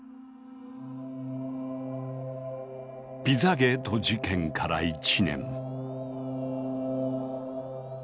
ピザゲート事件から１年。